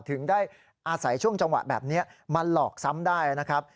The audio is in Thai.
ถึงได้อาศัยช่วงจังหวะแบบนี้มาหลอกซ้ำได้นะครับ